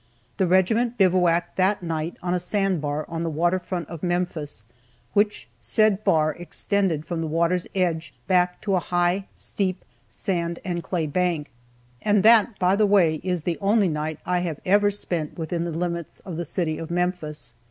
The regiment bivouacked that night on a sandbar on the water front of Memphis, which said bar extended from the water's edge back to a high, steep sand and clay bank. And that, by the way, is the only night I have ever spent within the limits of the city of Memphis.